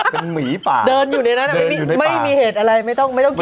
เป็นหมีป่าเดินอยู่ในนั้นไม่มีเหตุอะไรไม่ต้องไม่ต้องกิน